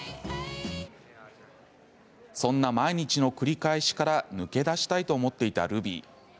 そんな毎日の繰り返しから抜け出したいと思っていたルビー。